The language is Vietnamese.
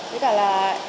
với cả là em